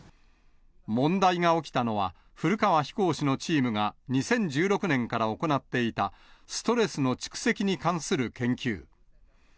問題が起きたのは、古川飛行士のチームが２０１６年から行っていたストレスの蓄積に関する研究。